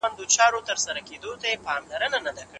که مادي ژبه وي، نو ستړیا نه محسوسېږي.